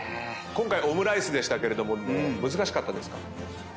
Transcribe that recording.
今回オムライスでしたけれども難しかったですか？